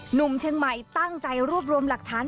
หนุ่มเชียงใหม่ตั้งใจรวบรวมหลักฐาน